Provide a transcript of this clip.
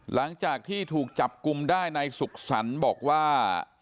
หลังจากที่ถูกจับกลุ่มได้นายสุขสรรค์บอกว่า